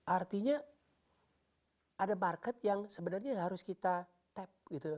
artinya ada market yang sebenarnya harus kita tap gitu